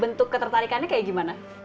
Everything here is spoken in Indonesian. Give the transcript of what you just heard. bentuk ketertarikannya kayak gimana